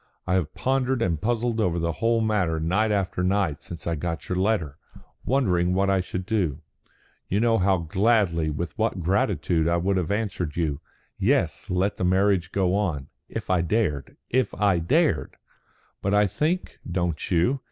I have pondered and puzzled over the whole matter night after night since I got your letter, wondering what I should do. You know how gladly, with what gratitude, I would have answered you, 'Yes, let the marriage go on,' if I dared. If I dared! But I think don't you?